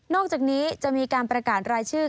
อกจากนี้จะมีการประกาศรายชื่อ